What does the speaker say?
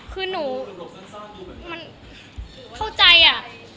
คือหนูเข้าใจอะ